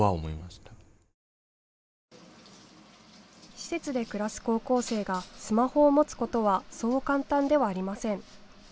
施設で暮らす高校生がスマホを持つことはそう簡単ではありません。